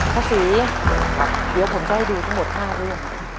พ่อสีเดี๋ยวผมจะให้ดูทั้งหมดห้าเรื่อง